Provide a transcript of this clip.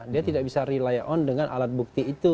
dia tidak bisa rely on dengan alat bukti itu